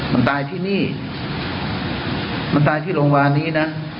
มันตายที่นี่มันตายที่โรงพยาบาลนี้นะ